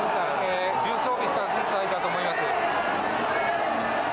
重装備した軍隊かと思います。